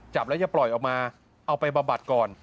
จับแล้วอย่าปล่อยออกมาเอาไปบำบัดก่อน